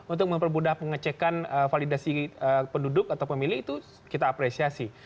untuk mempermudah pengecekan validasi penduduk atau pemilih itu kita apresiasi